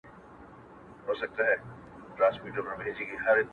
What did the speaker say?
تر خيښ، ځان را پېش.